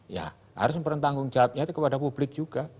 ya harus mempertanggungjawabnya itu kepada publik juga